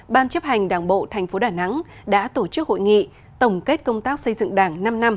ban chấp hành đảng bộ tp đà nẵng đã tổ chức hội nghị tổng kết công tác xây dựng đảng năm năm